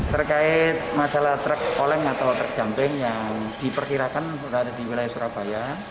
terkait masalah truk oleng atau truk jumping yang diperkirakan berada di wilayah surabaya